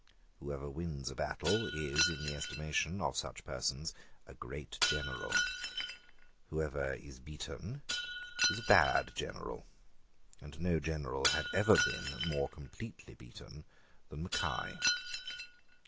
Whoever wins a battle is, in the estimation of such persons, a great general: whoever is beaten is a lead general; and no general had ever been more completely beaten than Mackay.